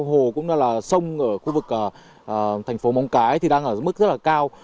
hồ cũng là sông ở khu vực thành phố mông cái thì đang ở mức rất là cao